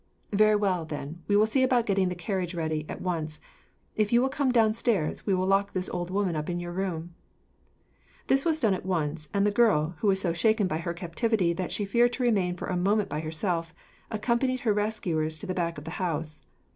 "Very well, then, we will see about getting the carriage ready, at once. If you will come downstairs, we will lock this old woman up in your room." This was done at once, and the girl, who was so shaken by her captivity that she feared to remain for a moment by herself, accompanied her rescuers to the back of the house.